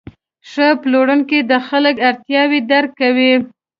ښه پلورونکی د خلکو اړتیاوې درک کوي.